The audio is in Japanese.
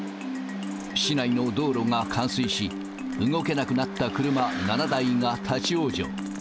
市内の道路が冠水し、動けなくなった車７台が立往生。